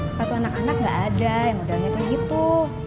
sepatu anak anak enggak ada yang mudahnya kayak gitu